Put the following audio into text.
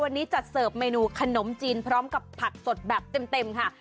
วันนี้จัดเสิร์ฟเมนูขนมจีนพร้อมกับผักสดแบบเต็มค่ะ